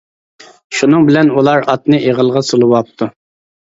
شۇنىڭ بىلەن ئۇلار ئاتنى ئېغىلغا سولىۋاپتۇ.